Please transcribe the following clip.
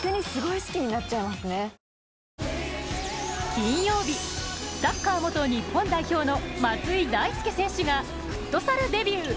金曜日、サッカー元日本代表の松井大輔選手がフットサルデビュー。